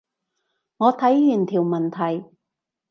我睇完條問題